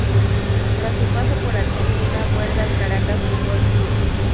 Tras su paso por Argentina vuelve al Caracas Fútbol Club.